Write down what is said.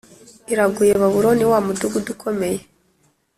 iraguye! Baburoni wa mudugudu ukomeye,